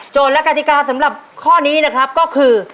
และกติกาสำหรับข้อนี้นะครับก็คือ